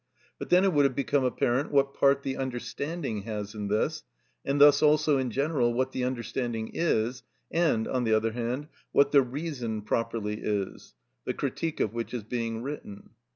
But then it would have become apparent what part the understanding has in this, and thus also in general what the understanding is, and, on the other hand, what the reason properly is, the critique of which is being written.